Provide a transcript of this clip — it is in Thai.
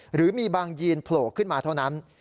หรือมีบางยีนโผล่ขึ้นมาเท่านั้น